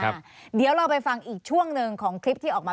เพราะว่าตอนแรกมีการพูดถึงนิติกรคือฝ่ายกฎหมาย